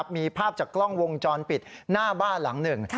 มีภาพจากกล้องวงจรปิดหน้าบ้านหลังหนึ่ง